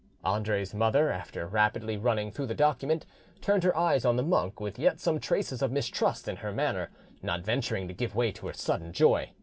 Andre's mother, after rapidly running through the document, turned her eyes on the monk with yet some traces of mistrust in her manner, not venturing to give way to her sudden joy.